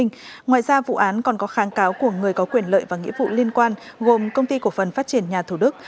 ngoài ra vụ án còn có kháng cáo của người có quyền lợi và nghĩa vụ liên quan gồm công ty cổ phần phát triển nhà thủ đức